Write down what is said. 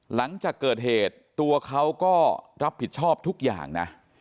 หลังจากเกิดเหตุตัวเขาก็รับผิดชอบทุกอย่างนะ